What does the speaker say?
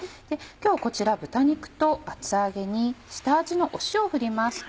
今日こちら豚肉と厚揚げに下味の塩を振ります。